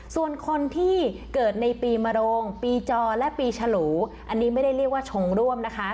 ส่วนคนที่เกิดในปีมโรงปีจอและปีฉลูอันนี้ไม่ได้เรียกว่าชงร่วมนะคะ